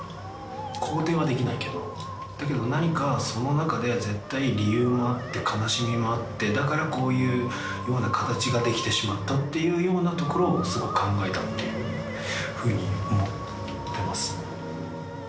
肯定はできないけどだけど何かその中で絶対理由もあって悲しみもあってだからこういうような形が出来てしまったっていうようなところをすごく考えたというふうに思ってます。